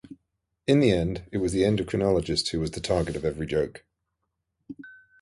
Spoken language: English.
In the end, it was the endocrinologist who was the target of every joke.